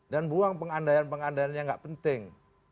dan buang pengandaian pengandaian yang gak penting